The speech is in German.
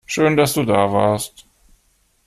Schön, dass du da warst.